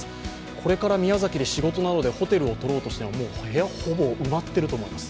これから宮崎で仕事などでホテルをとろうとしても部屋はほぼ埋まっていると思います。